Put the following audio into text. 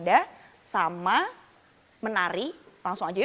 karena mengerikan antara